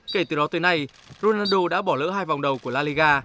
kể từ đó tới nay ronaldo đã bỏ lỡ hai vòng đầu của la liga